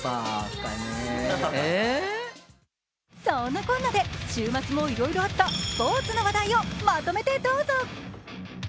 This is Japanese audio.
そんなこんなで週末もいろいろあったスポーツの話題をまとめてどうぞ。